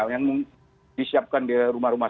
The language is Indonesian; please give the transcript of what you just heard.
yang disiapkan di rumah rumah